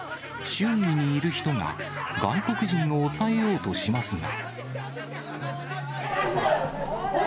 周囲にいる人が外国人を押さえようとしますが。